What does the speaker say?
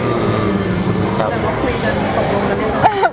แต่ว่าคุยแล้วจะตกลงหรือเปลี่ยน